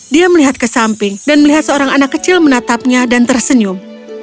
dia melihat ke samping dan melihat seorang anak kecil menatapnya dan tersenyum